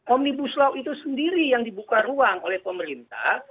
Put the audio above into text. omnibus law itu sendiri yang dibuka ruang oleh pemerintah